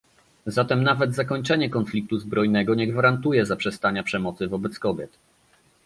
Zatem nawet zakończenie konfliktu zbrojnego nie gwarantuje zaprzestania przemocy wobec kobiet